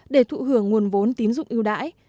để thụ hưởng nguồn vốn tín dụng ưu đãi